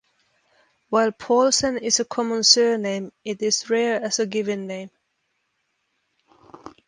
While Paulsen is a common surname, it is rare as a given name.